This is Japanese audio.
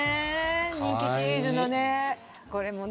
人気シリーズのね。